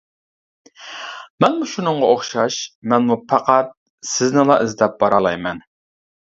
مەنمۇ شۇنىڭغا ئوخشاش، مەنمۇ پەقەت سىزنىلا ئىزدەپ بارالايمەن.